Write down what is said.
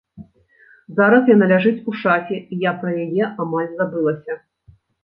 Зараз яна ляжыць у шафе, і я пра яе амаль забылася.